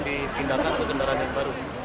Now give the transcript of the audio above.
dipindahkan ke kendaraan yang baru